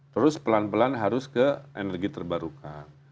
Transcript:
terus pelan pelan harus ke energi terbarukan